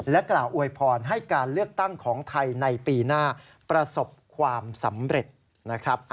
กล่าวอวยพรให้การเลือกตั้งของไทยในปีหน้าประสบความสำเร็จนะครับ